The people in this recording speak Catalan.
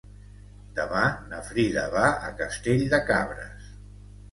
Demà na Frida va a Castell de Cabres.